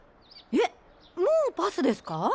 えっもうパスですか？